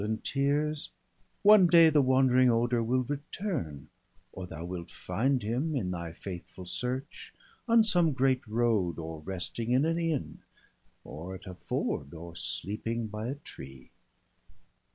t tears I One day the wandering Oder will return, Or thou wilt find him in thy faithful search On some great road, or resting in an inn, Or at a ford, or sleeping by a tree.